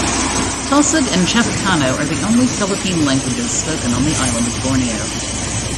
Tausug and Chavacano are the only Philippine languages spoken on the island of Borneo.